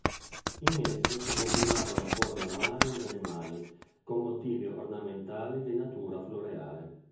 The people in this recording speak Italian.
In esse si combinavano forme umane ed animali con motivi ornamentali di natura floreale.